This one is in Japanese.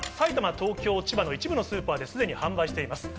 東京、千葉の一部のスーパーですでに販売しています。